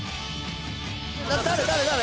誰誰誰？